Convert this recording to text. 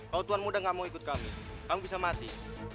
kau tuan muda gak mau ikut kami kamu bisa mati